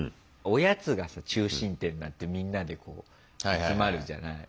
おやつがさ中心点になってみんなでこう集まるじゃない。